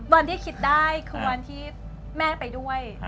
วันที่คิดได้คือวันที่แม่ไปด้วย